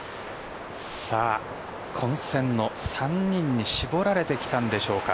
混戦の３人に絞られてきたんでしょうか。